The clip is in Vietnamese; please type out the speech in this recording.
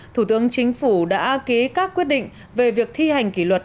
thủ tướng chính phủ đã ký các quyết định về việc thi hành kỷ luật